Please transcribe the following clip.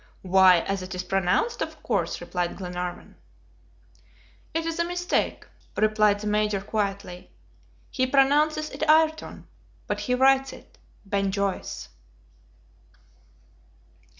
"Why, as it is pronounced, of course," replied Glenarvan. "It is a mistake," replied the Major quietly. "He pronounces it AYRTON, but he writes it _Ben Joyce!